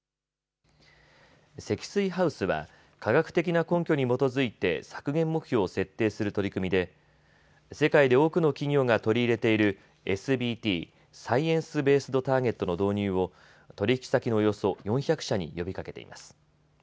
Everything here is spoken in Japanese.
積水ハウスは科学的な根拠に基づいて削減目標を設定する取り組みで世界で多くの企業が取り入れているＳＢＴ・サイエンス・ベースド・ターゲットの導入を取引先のおよそ４００社に呼びかけています。